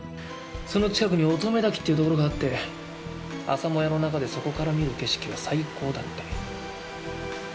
その近くに乙女滝っていうところがあって朝もやの中でそこから見る景色は最高だって。